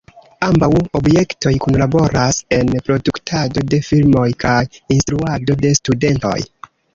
Ambaŭ objektoj kunlaboras en produktado de filmoj kaj instruado de studentoj.